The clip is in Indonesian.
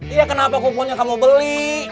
iya kenapa kumpulnya kamu beli